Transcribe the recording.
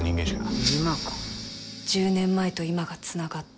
１０年前と今がつながった。